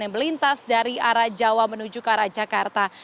yang melintas dari arah jawa menuju ke arah jakarta